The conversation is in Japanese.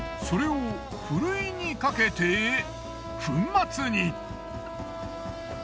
それをふるいにかけて粉末に。